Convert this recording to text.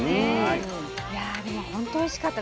いやでもほんとおいしかった。